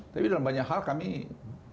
tapi dalam banyak hal kami sepakat gitu